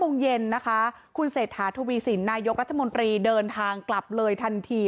โมงเย็นนะคะคุณเศรษฐาทวีสินนายกรัฐมนตรีเดินทางกลับเลยทันที